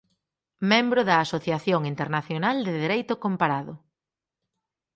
Membro da Asociación Internacional de Dereito Comparado.